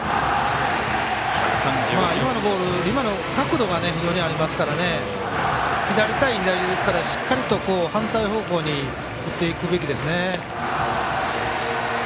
今のボール角度が非常にありますから左対左ですから反対方向に打っていくべきですね。